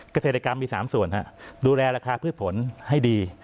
เกษตรกรรมมี๓ส่วนดูแลราคาพืชผลให้ดี